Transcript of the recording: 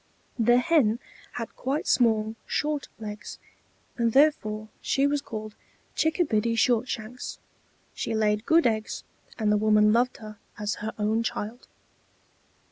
The Hen had quite small, short legs, and therefore she was called Chickabiddy Shortshanks; she laid good eggs, and the woman loved her as her own child.